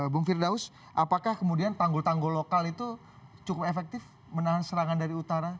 bung firdaus apakah kemudian tanggul tanggul lokal itu cukup efektif menahan serangan dari utara